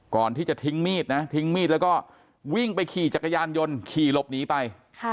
ก่อนที่จะทิ้งมีดนะทิ้งมีดแล้วก็วิ่งไปขี่จักรยานยนต์ขี่หลบหนีไป